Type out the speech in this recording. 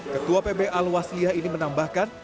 ketua pba al wasliyah ini menambahkan